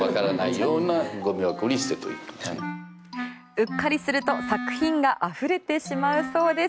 うっかりすると作品があふれてしまいそうです。